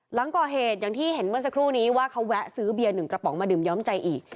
หลังก่อเหตุอย่างที่เห็นเมื่อสักครู่นี้ว่าเขาแวะซื้อเบียร์๑กระป๋องมาดื่มย้อมใจอีก